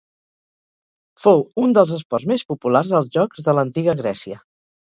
Fou un dels esports més populars als Jocs de l'Antiga Grècia.